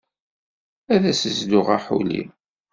Ad as-zluɣ aḥuli.